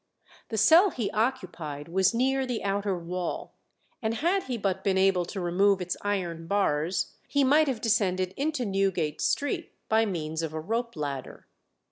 The cell he occupied was near the outer wall, and had he but been able to remove its iron bars, he might have descended into Newgate Street by means of a rope ladder.